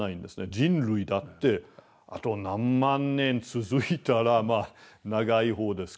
人類だってあと何万年続いたらまあ長いほうですけれども。